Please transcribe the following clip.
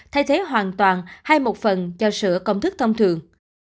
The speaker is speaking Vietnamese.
thay thế hoàn toàn hay một phần cho sữa công thức thông thường